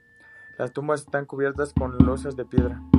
Las tumbas están cubiertas con losas de piedra.